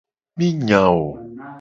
Mi nya wo.